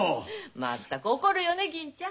全く怒るよねえ銀ちゃん。